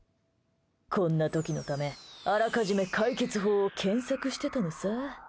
こんな時のため、あらかじめ解決法を検索してたのさ。